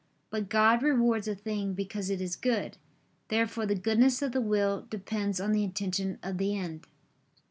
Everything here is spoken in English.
But God rewards a thing because it is good. Therefore the goodness of the will depends on the intention of the end.